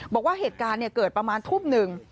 บอกว่าเหตุการณ์เกิดประมาณทุ่มหนึ่ง